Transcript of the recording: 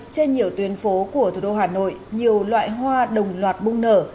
trên nhiều tuyến phố của thủ đô hà nội nhiều loại hoa đồng loạt bung nở